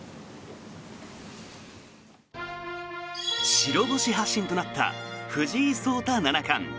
白星発進となった藤井聡太七冠。